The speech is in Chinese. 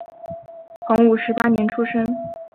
洪武十八年出生。